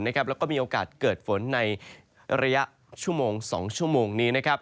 แล้วก็มีโอกาสเกิดฝนในระยะชั่วโมง๒ชั่วโมงนี้